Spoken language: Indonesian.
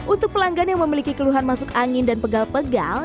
untuk pelanggan yang memiliki keluhan masuk angin dan pegal pegal